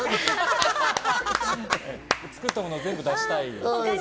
作ったもの全部出したい。